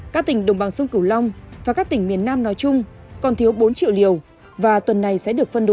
các tỉnh đồng bằng sông cửu long và các tỉnh miền nam nói chung còn thiếu bốn triệu liều và tuần này sẽ được phân bố